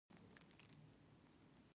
د وګړو د ژوندانه اسانتیاوې کمیږي.